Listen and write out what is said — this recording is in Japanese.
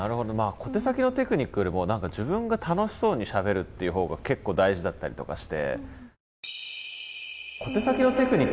小手先のテクニックよりも何か自分が楽しそうにしゃべるっていうほうが結構大事だったりとかして。